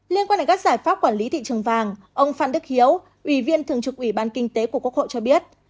liên quan đến các giải pháp quản lý thị trường vàng ông phan đức hiếu ủy viên thường trực ủy ban kinh tế của quốc hội cho biết